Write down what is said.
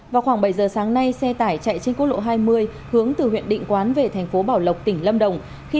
vào khoảng bảy giờ sáng nay xe tải chạy trên quốc lộ hai mươi hướng từ huyện định quán về thành phố bảo lộc tỉnh lâm đồng